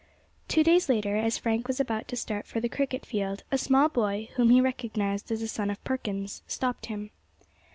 TWO days later, as Frank was about to start for the cricket field, a small boy, whom he recognised as a son of Perkins, stopped him.